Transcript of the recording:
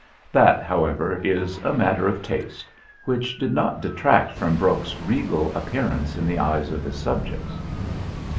That, however, is a matter of taste, which did not detract from Brok's regal appearance in the eyes of his subjects.